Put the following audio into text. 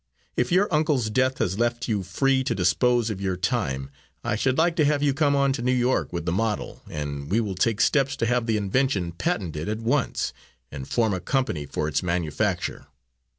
If your uncle's death has left you free to dispose of your time, I should like to have you come on to New York with the model, and we will take steps to have the invention patented at once, and form a company for its manufacture.